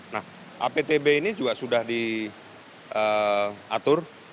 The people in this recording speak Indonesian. nah aptb ini juga sudah diatur